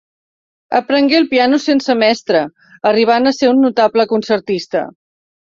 Aprengué el piano sense mestre, arribant a ser un notable concertista.